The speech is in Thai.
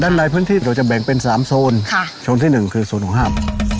ด้านในพื้นที่เราจะแบ่งเป็น๓โซนโซนที่๑คือส่วนของห้าม